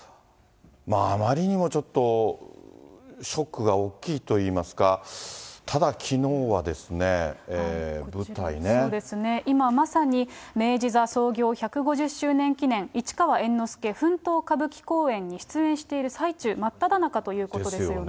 あまりにもちょっとショックが大きいと言いますか、ただきのうはそうですね、今まさに、明治座創業１５０周年記念、市川猿之助奮闘歌舞伎公演に出演している最中、真っただ中ということですよね。